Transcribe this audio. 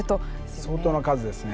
相当な数ですね。